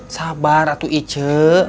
sabar ratu ije